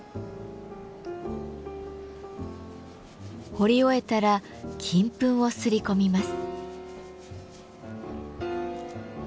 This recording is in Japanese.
彫り終えたら金粉をすり込みます。